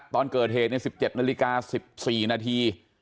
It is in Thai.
ตอนเกิดเหตุใน๑๗นาฬิกา๑๔นาที